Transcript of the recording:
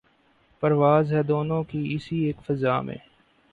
پرواز ہے دونوں کی اسی ایک فضا میں